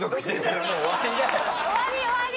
終わり終わり！